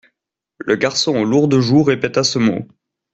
Le garçon aux lourdes joues répéta ce mot.